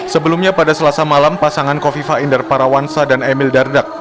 sebelumnya pada selasa malam pasangan kofifa inder parawansa dan emil dardak